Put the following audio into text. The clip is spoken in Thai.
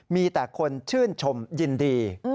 มีแต่คนชื่นชมยินดี